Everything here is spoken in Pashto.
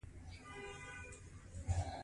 دا اثر ستاسو حضور ته وړاندې کیږي.